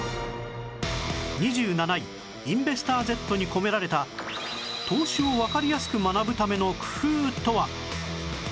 ２７位『インベスター Ｚ』に込められた投資をわかりやすく学ぶための工夫とは？